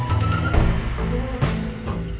saya akan cerita soal ini